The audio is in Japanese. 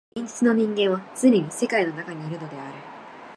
現実の人間はつねに世界の中にいるのである。